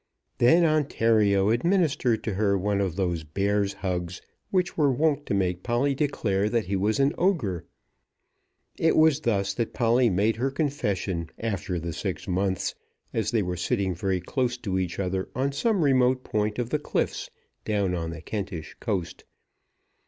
Then Ontario administered to her one of those bear's hugs which were wont to make Polly declare that he was an ogre. It was thus that Polly made her confession after the six months, as they were sitting very close to each other on some remote point of the cliffs down on the Kentish coast.